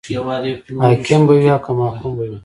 حاکم به وي او که محکوم به وي.